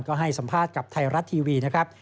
ก็ให้สัมภาษณ์กับไทยรัฐทีวีนะครับ